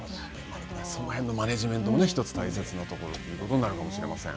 その辺のマネジメントもひとつ大切なところということになるかもしれません。